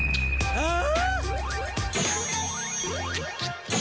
ああ！？